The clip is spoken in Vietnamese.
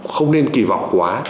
không nên kỳ vọng quá